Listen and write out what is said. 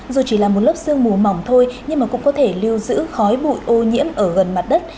dù chỉ là một lớp sương mù mỏng thôi nhưng mà cũng có thể lưu giữ khói bụi ô nhiễm ở gần mặt đất